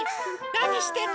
なにしてるの？